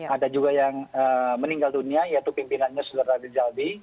ada juga yang meninggal dunia yaitu pimpinannya sudara dijalbi